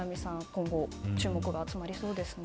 今後、注目が集まりそうですね。